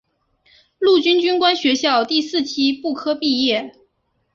陆军军官学校第四期步科毕业。